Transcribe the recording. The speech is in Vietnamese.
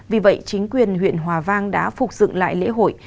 vì vậy chính quyền huyện hòa vang đã phục dựng lại lễ hội